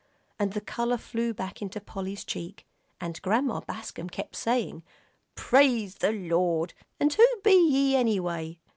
And the color flew back into Polly's cheek, and Grandma Bascom kept saying, "Praise the Lord and who be ye, anyway?"